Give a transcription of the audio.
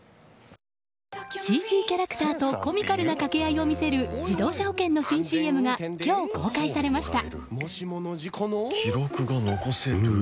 ＣＧキャラクターとコミカルな掛け合いを見せる自動車保険の新ＣＭが今日、公開されました。